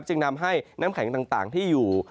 จึงนำให้น้ำแข็งต่างที่อยู่